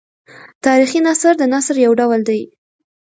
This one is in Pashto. تاریخي نثر د نثر یو ډول دﺉ.